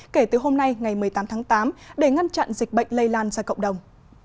kể từ hôm nay ngày một mươi tám tháng tám để ngăn chặn dịch bệnh lây lan ra cộng đồng